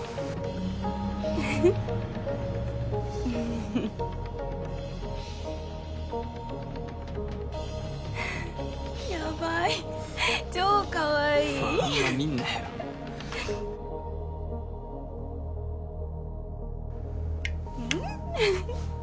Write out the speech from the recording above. フフッフフフやばい超かわいいあんま見んなようん？